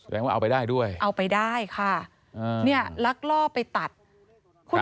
ว่าเอาไปได้ด้วยเอาไปได้ค่ะอ่าเนี่ยลักลอบไปตัดคุณ